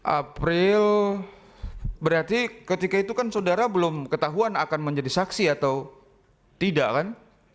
april berarti ketika itu kan saudara belum ketahuan akan menjadi saksi atau tidak kan